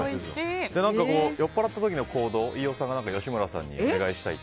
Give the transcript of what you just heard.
酔っぱらった時の行動を吉村さんにお願いしたいって。